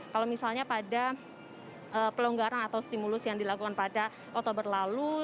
kalau misalnya pada pelonggaran atau stimulus yang dilakukan pada oktober lalu